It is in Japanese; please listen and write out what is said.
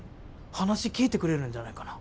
話聞いてくれるんじゃないかな。